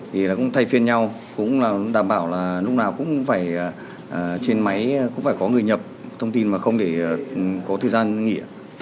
thì cũng thay phiên nhau cũng là đảm bảo là lúc nào cũng phải trên máy cũng phải có người nhập thông tin mà không để có thời gian nghỉ